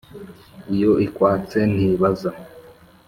iyo ikwatse ntibaza!